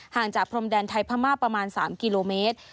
จากพรมแดนไทยพม่าประมาณ๓กิโลเมตร